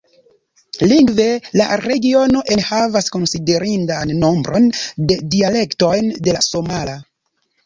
Lingve, la regiono enhavas konsiderindan nombron de dialektojn de la somala.